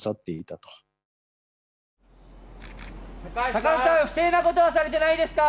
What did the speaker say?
高橋さん、不正なことはされてないですか？